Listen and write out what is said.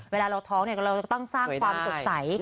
เวลาเราท้องเราจะต้องสร้างความสดใส